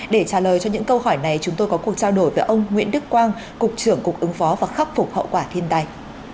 để trả lời cho những câu hỏi này chúng tôi có cuộc trao đổi với ông nguyễn đức quang cục trưởng cục ứng phó và khắc phục hậu quả thiên tai